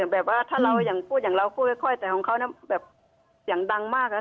แบบว่าถ้าเราอย่างพูดอย่างเราพูดค่อยค่อยแต่ของเขาน่ะแบบเสียงดังมากน่ะ